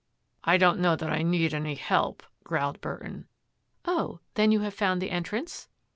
" I don't know that I need any help," growled Burton. "Oh, then you have found the entrance?"